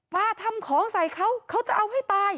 มาทำของใส่เขาเขาจะเอาให้ตาย